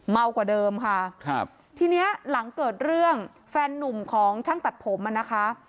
เมากว่าเดิมค่ะทีนี้หลังเกิดเรื่องแฟนหนุ่มของช่างตัดผมนะคะ